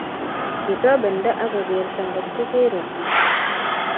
Kitobendo akokerto ngotkokerei chi